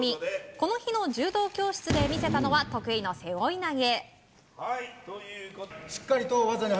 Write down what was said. この日の柔道教室で見せたのは得意の背負い投げ。